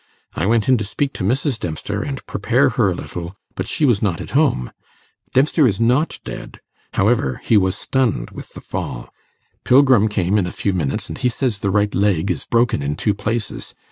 I went in to speak to Mrs. Dempster, and prepare her a little, but she was not at home. Dempster is not dead, however, he was stunned with the fall. Pilgrim came in a few minutes, and he says the right leg is broken in two places.